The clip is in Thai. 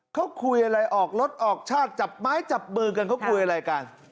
เขาคุยอะไรออกรถออกชาติจับไม้จับมือกันเขาคุยอะไรกัน